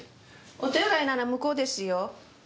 お手洗いなら向こうですよ。